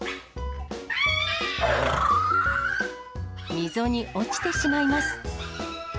溝に落ちてしまいます。